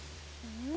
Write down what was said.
うん！